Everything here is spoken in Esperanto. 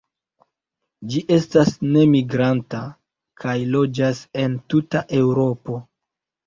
Ĝi estas nemigranta, kaj loĝas en tuta Eŭropo.